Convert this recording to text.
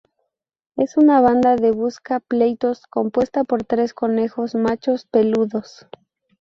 Es una banda de busca pleitos, compuesta por tres conejos machos peludos.